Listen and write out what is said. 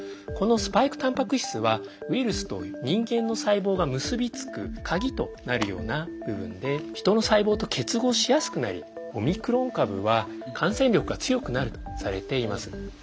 このスパイクタンパク質はウイルスと人間の細胞が結び付く鍵となるような部分で人の細胞と結合しやすくなりオミクロン株は感染力が強くなるとされています。